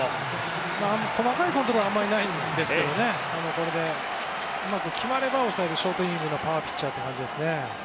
細かいことはあまりないんですけどこれがうまく決まれば抑えられるショートイニングのパワーピッチャーという感じです。